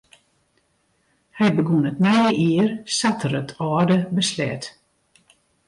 Hy begûn it nije jier sa't er it âlde besleat.